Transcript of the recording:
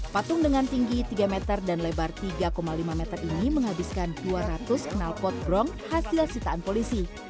patung dengan tinggi tiga meter dan lebar tiga lima meter ini menghabiskan dua ratus kenalpot brong hasil sitaan polisi